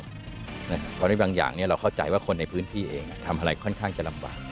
เพราะในบางอย่างเราเข้าใจว่าคนในพื้นที่เองทำอะไรค่อนข้างจะลำบาก